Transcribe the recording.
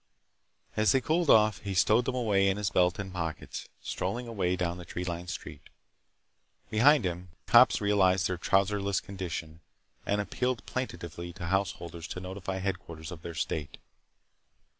As they cooled off he stowed them away in his belt and pockets, strolling away down the tree lined street. Behind him, cops realized their trouserless condition and appealed plaintively to householders to notify headquarters of their state.